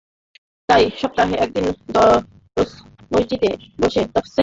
তাই সপ্তাহে একদিন দরস-মজলিসে বসে তাফসীর ছাড়া অন্য কিছুর আলোচনা করতেন না।